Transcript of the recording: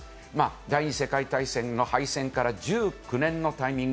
第２次世界大戦の敗戦から１９年のタイミング。